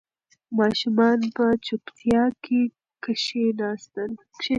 ماشومان په چوپتیا کې کښېناستل.